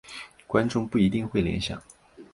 观众不一定会联想。